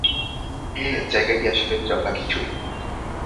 হ্যাঁ, জায়গাটি আসলে জগাখিচুড়ির মত।